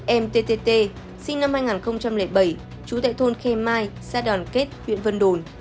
em ttt sinh năm hai nghìn bảy chú tại thôn khe mai xa đoàn kết huyện vân đồn